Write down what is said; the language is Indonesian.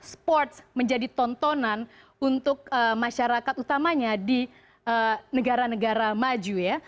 sports menjadi tontonan untuk masyarakat utamanya di negara negara maju ya